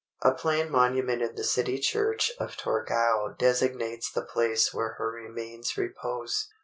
A plain monument in the city church of Torgau designates the place where her remains repose.